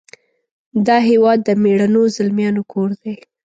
د هیواد د میړنو زلمیانو کور دی .